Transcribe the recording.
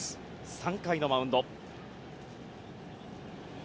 ３回のマウンド。